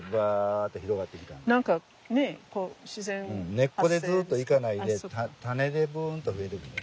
根っこでずっと行かないで種でぶんと増えてくるんよね。